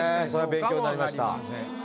勉強になりました。